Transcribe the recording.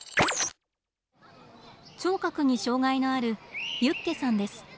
聴覚に障害のあるユッケさんです。